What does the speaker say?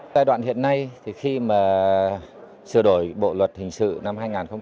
giai đoạn hiện nay thì khi mà sửa đổi bộ luật hình sự năm hai nghìn một mươi năm